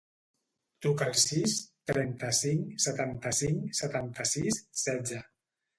Truca al sis, trenta-cinc, setanta-cinc, setanta-sis, setze.